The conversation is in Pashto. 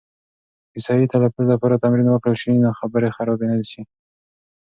د صحیح تلفظ لپاره تمرین وکړل سي، نو خبرې خرابې نه سي.